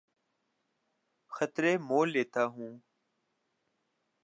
خطرے مول لیتا ہوں